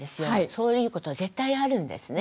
そういうことは絶対あるんですね。